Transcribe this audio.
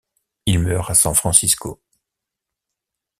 Il meurt à San Francisco.